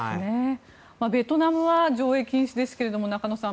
ベトナムは上映禁止ですが中野さん